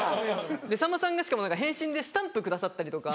さんまさんがしかも返信でスタンプくださったりとか。